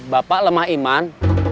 bapak lemah iman